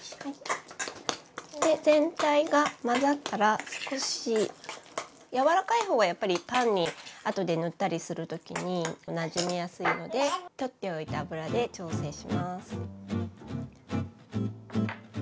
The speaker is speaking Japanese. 全体が混ざったら少しやわらかい方がやっぱりパンにあとで塗ったりする時になじみやすいのでとっておいた油で調整します。